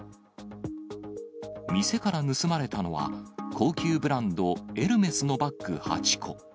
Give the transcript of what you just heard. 店から盗まれたのは、高級ブランド、エルメスのバッグ８個。